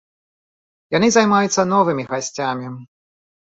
Яны займаюцца новымі гасцямі.